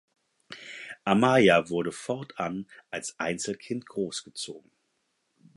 Amaia wurde fortan als Einzelkind großgezogen.